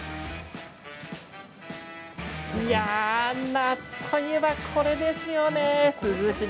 夏といえばこれですよね。